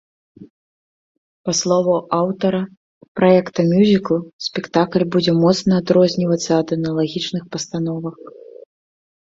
Па словах аўтара праекта мюзіклу, спектакль будзе моцна адрознівацца ад аналагічных пастановак.